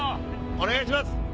お願いします！